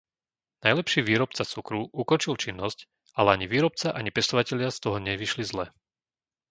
Najlepší výrobca cukru ukončil činnosť, ale ani výrobca ani pestovatelia z toho nevyšli zle.